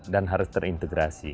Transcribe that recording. dan harus terintegrasi